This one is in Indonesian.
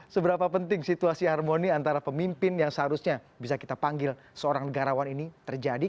seberapa penting situasi harmoni antara pemimpin yang seharusnya bisa kita panggil seorang negarawan ini terjadi